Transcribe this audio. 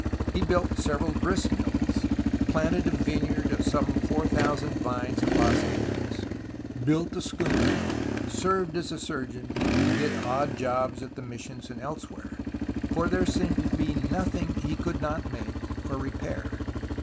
He built several grist mills; planted a vineyard of some four thousand vines at Los Angeles; built a schooner; served as a surgeon; and did odd jobs at the missions and elsewhere, for there seemed to be nothing that he could not make or repair.